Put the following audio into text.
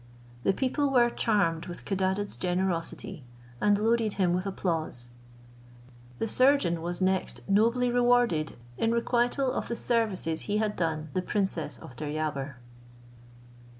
The people were charmed with Codadad's generosity, and loaded him with applause. The surgeon was next nobly rewarded in requital of the services he had done the princess of Deryabar.